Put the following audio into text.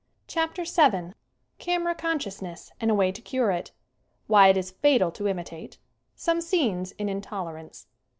CHAPTER VII Camera consciousness and a way to cure it Why it is fatal to imitate Some scenes in "Intolerance."